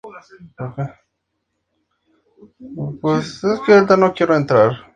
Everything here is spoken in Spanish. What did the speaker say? Soledad Bouquet, hermana de Carlos, fue esposa de Jesús Degollado Guízar.